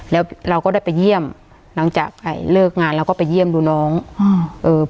แล้วเราก็ได้ไปเยี่ยมหลังจากเลิกงานเราก็ไปเยี่ยมดูน้องอืมเอ่อ